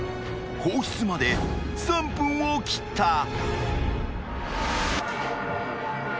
［放出まで３分を切った］